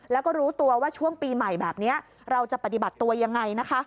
แล้วก็รู้ตัวว่าช่วงปีใหม่แบบนี้เราจะปฏิบัติตัวยังไงนะคะ